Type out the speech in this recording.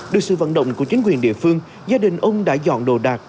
được sự vận động của chính quyền địa phương gia đình ông đã dọn đồ đạc